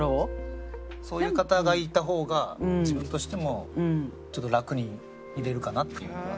そういう方がいた方が自分としても楽にいれるかなっていうのが。